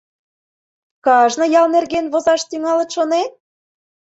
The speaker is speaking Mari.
— Кажне ял нерген возаш тӱҥалыт шонет?